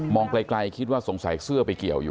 ไกลคิดว่าสงสัยเสื้อไปเกี่ยวอยู่